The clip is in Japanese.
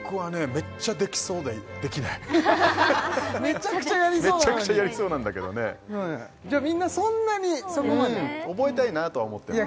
めちゃくちゃやりそうなのにめちゃくちゃやりそうなんだけどねじゃあみんなそんなにそこまでそうですね覚えたいなとは思ってます